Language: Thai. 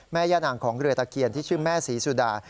แม่ย่านางของเรือตะเคียนที่ชื่อแม่ศรีสุดา